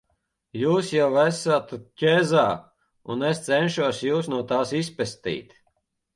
Jūs jau esat ķezā, un es cenšos Jūs no tās izpestīt.